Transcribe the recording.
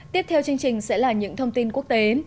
tiếp theo chương trình sẽ là những thông tin quốc tế